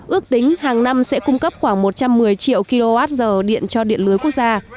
ước tính hàng năm sẽ cung cấp khoảng một trăm một mươi triệu kwh điện cho điện lưới quốc gia